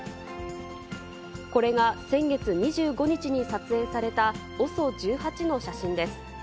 これが先月２５日に撮影された、ＯＳＯ１８の写真です。